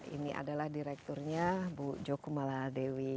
ini adalah direkturnya bu jokumala dewi